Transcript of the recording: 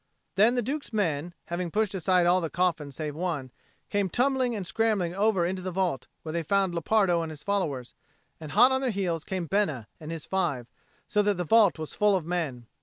Then the Duke's men, having pushed aside all the coffins save one, came tumbling and scrambling over into the vault, where they found Lepardo and his followers; and hot on their heels came Bena and his five, so that the vault was full of men.